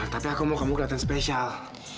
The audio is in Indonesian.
tapi aku mau kamu ke latar spesial